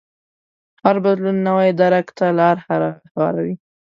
هر بدلون نوي درک ته لار هواروي.